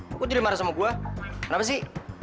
kok jadi marah sama gua kenapa sih